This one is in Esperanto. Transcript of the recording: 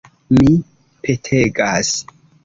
Mi petegas!